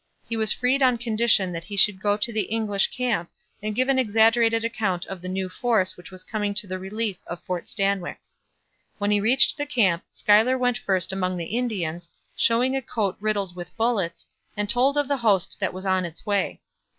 He was freed on condition that he should go to the English camp and give an exaggerated account of the new force which was coming to the relief of Fort Stanwix. When he reached the camp Schuyler went first among the Indians, showing a coat riddled with bullets, and told of the host that was on its way.